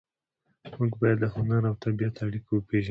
موږ باید د هنر او طبیعت اړیکه وپېژنو